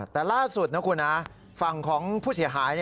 แต่ล่าสุดนะคุณนะฝั่งของผู้เสียหาย